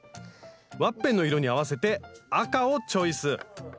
ワッペンの色に合わせて赤をチョイス。